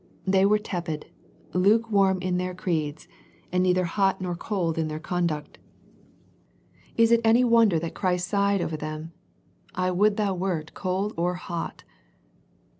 They were tepid, luke warm in their creeds and neither cold nor hot The Laodicea Letter 199 in their conduct. Is it any wonder that Christ sighed over them " I would thou wert cold or hot."